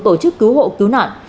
tổ chức cứu hộ cứu nạn